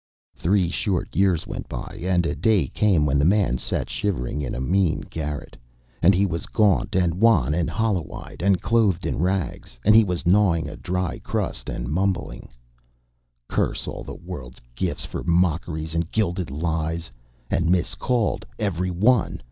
Three short years went by, and a day came when the man sat shivering in a mean garret; and he was gaunt and wan and hollow eyed, and clothed in rags; and he was gnawing a dry crust and mumbling: "Curse all the world's gifts, for mockeries and gilded lies! And miscalled, every one.